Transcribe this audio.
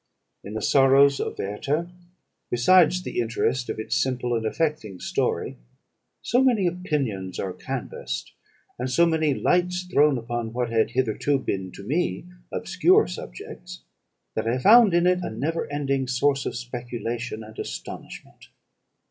In the 'Sorrows of Werter,' besides the interest of its simple and affecting story, so many opinions are canvassed, and so many lights thrown upon what had hitherto been to me obscure subjects, that I found in it a never ending source of speculation and astonishment.